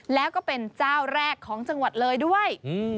แล้วก็เป็นเจ้าแรกของจังหวัดเลยด้วย